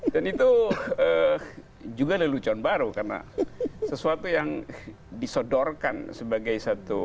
dan itu juga lelucon baru karena sesuatu yang disodorkan sebagai satu